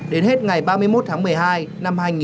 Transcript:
đến hết ngày ba mươi một tháng một mươi hai